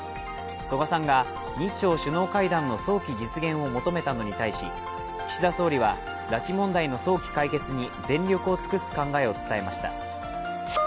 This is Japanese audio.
曽我さんが日朝首脳会談の早期実現を求めたのに対し岸田総理は拉致問題の早期解決に全力を尽くす考えを示しました。